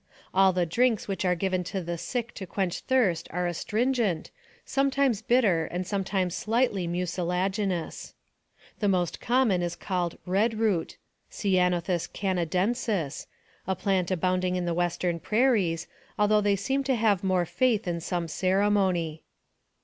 All the drinks which are given the sick to quench thirst are astringent, sometimes bitter and sometimes slightly mucilaginous. The most common is called red root (ceanothw canadensis), a plant abounding in the western prairies, although they seem to have more faith in some ceremony.